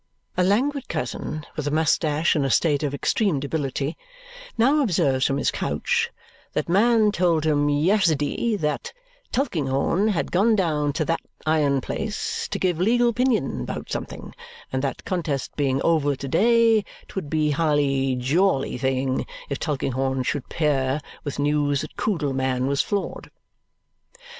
A languid cousin with a moustache in a state of extreme debility now observes from his couch that man told him ya'as'dy that Tulkinghorn had gone down t' that iron place t' give legal 'pinion 'bout something, and that contest being over t' day, 'twould be highly jawlly thing if Tulkinghorn should 'pear with news that Coodle man was floored.